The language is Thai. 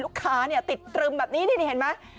ลูกค้าเนี่ยติดตรึมแบบนี้นี่นี่เห็นไหม